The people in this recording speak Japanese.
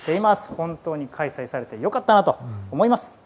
本当に開催されて良かったと思います。